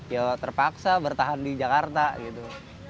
ya terpaksa bertahan di jakarta gitu